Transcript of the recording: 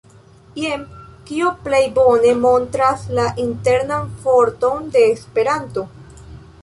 Jen, kio plej bone montras la internan forton de Esperanto.